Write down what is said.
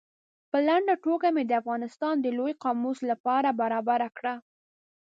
په لنډه توګه مې د افغانستان د لوی قاموس له پاره برابره کړه.